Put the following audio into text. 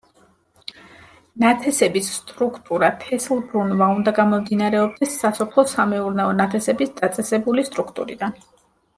ნათესების სტრუქტურა თესლბრუნვა უნდა გამომდინარეობდეს სასოფლო-სამეურნეო ნათესების დაწესებული სტრუქტურიდან.